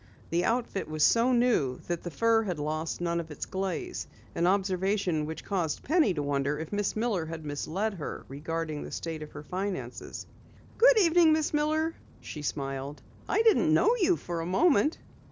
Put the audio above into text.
The outfit was so new that the fur had lost none of its glaze, an observation which caused Penny to wonder if Miss Miller had misled her regarding the state of her finances. "Good evening, Miss Miller," she smiled. "I didn't know you for a moment."